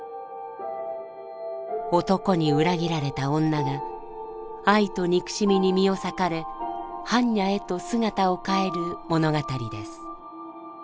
男に裏切られた女が愛と憎しみに身を裂かれ般若へと姿を変える物語です。